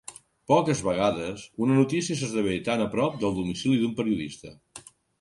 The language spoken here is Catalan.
Poques vegades una notícia s'esdevé tan a prop del domicili d'un periodista.